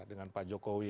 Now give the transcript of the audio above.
dengan pak jokowi